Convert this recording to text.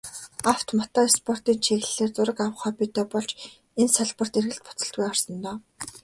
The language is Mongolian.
Авто, мото спортын чиглэлээр зураг авах хоббитой болж, энэ салбарт эргэлт буцалтгүй орсон доо.